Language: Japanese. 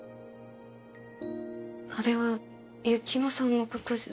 あれは雪乃さんのことじゃ。